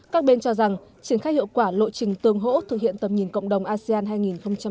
các bên cho rằng triển khai hiệu quả lộ trình tương hỗ thực hiện tầm nhìn cộng đồng asean hai nghìn hai mươi năm